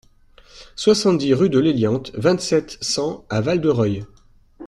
soixante-dix rue de l'Hélianthe, vingt-sept, cent à Val-de-Reuil